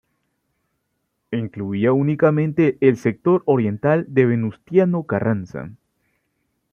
Incluía únicamente el sector oriental de Venustiano Carranza.